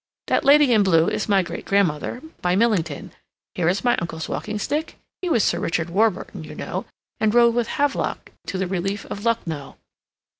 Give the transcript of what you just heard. "That lady in blue is my great grandmother, by Millington. Here is my uncle's walking stick—he was Sir Richard Warburton, you know, and rode with Havelock to the Relief of Lucknow.